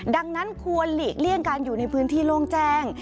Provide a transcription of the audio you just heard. ดังนั้นควรหลีกเลี่ยงการอยู่ในพื้นที่โล่งแจ้ง